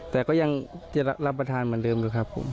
แต่ก็ยังจะรับประทานเหมือนเดิมอยู่ครับผม